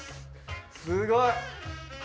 すごい。